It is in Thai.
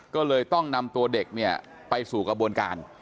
ก็เลยต้องนำตัวเด็กเนี่ยไปสู่กระบวนการ